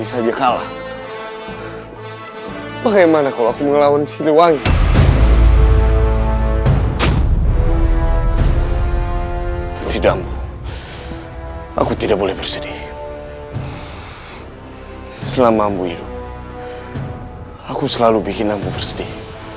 selama ibu hidup aku selalu bikin ibu bersedih